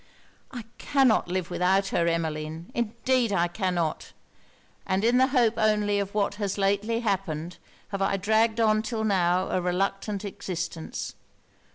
I cannot live without her, Emmeline indeed I cannot; and in the hope only of what has lately happened, have I dragged on till now a reluctant existence.